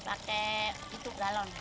pakai air galon